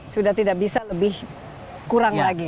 sudah tidak bisa lebih kurang lagi